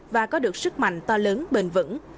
và có được sức mạnh to lớn bền vững